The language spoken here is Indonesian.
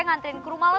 ngantriin ke rumah lo